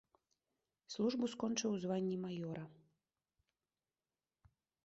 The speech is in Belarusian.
Службу скончыў у званні маёра.